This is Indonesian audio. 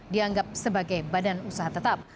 dianggap sebagai badan usaha tetap